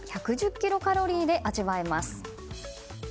キロカロリーで味わえます。